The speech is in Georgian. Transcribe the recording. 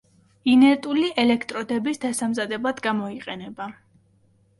ინერტული ელექტროდების დასამზადებლად გამოიყენება.